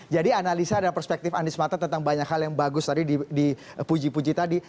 jadi analisa dari perspektif andi smata tentang banyak hal yang bagus tadi di puji puji tadi